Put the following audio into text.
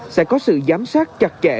sẽ có sự giám sát chặt chẽ